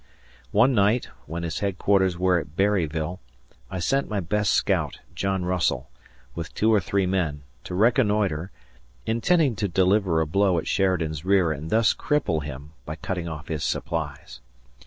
One night, when his headquarters were at Berryville, I sent my best scout, John Russell, with two or three men, to reconnoitre, intending to deliver a blow at Sheridan's rear and thus cripple him by cutting off his supplies.